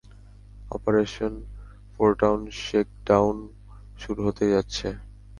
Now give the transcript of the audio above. Operation Fourtown shakedown শুরু হতে যাচ্ছে।